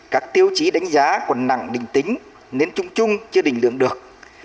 các tiêu chí đánh giá còn nặng đình tính nên chung chung chưa đình lượng được